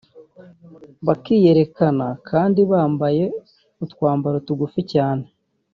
bakiyerekana kandi bambaye utwambaro tugufi cyane